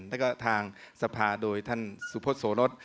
แล้วก็ทางสภาโดยท่านสุพธโสรส